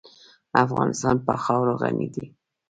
افغانستان په خاوره غني دی.